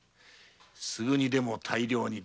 すぐにも大量に。